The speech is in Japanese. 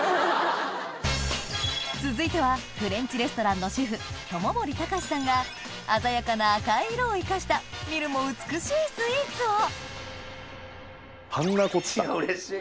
続いてはフレンチレストランのシェフ友森隆司さんが鮮やかな赤い色を生かした見るも美しいスイーツをうれしい！